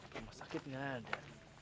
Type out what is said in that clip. rumah sakit gak ada